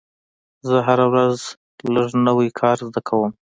زه هره ورځ لږ نوی کار زده کوم.